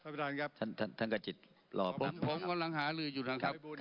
ผมกำลังหาลืออยู่ทางภายบุญ